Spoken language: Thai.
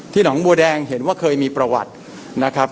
หนองบัวแดงเห็นว่าเคยมีประวัตินะครับ